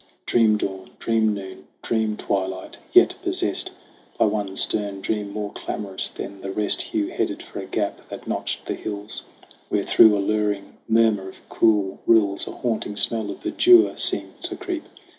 Dream dawn, dream noon, dream twilight ! Yet, possest By one stern dream more clamorous than the rest, Hugh headed for a gap that notched the hills, Wherethrough a luring murmur of cool rills, A haunting smell of verdure seemed to creep.